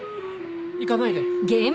行かないで。